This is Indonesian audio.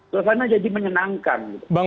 sosana jadi menyenangkan